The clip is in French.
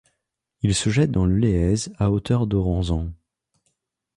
Il se jette dans le Léez à hauteur d'Aurensan.